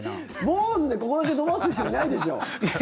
坊主でここだけ伸ばす人いないでしょ？